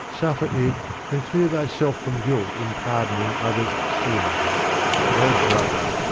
suffer it and clear Thyself from guilt in pardoning other's sin. O brother